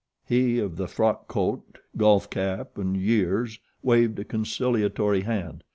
He of the frock coat, golf cap, and years waved a conciliatory hand.